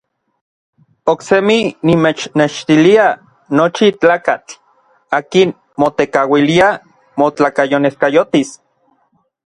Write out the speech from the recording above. Oksemi nimechnextilia nochi tlakatl akin motekauilia motlakayoneskayotis.